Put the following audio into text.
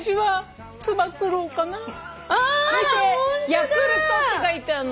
「ヤクルト」って書いてあんの。